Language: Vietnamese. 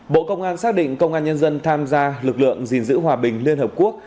bộ công an xác định công an nhân dân tham gia lực lượng gìn giữ hòa bình liên hợp quốc